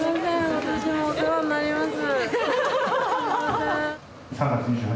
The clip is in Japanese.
今年もお世話になります。